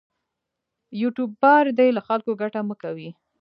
یوټوبر دې له خلکو ګټه مه کوي.